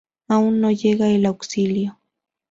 Aún no llega el auxilio.